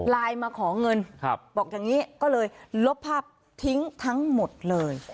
ไลน์มาขอเงินบอกอย่างนี้ก็เลยลบภาพทิ้งทั้งหมดเลย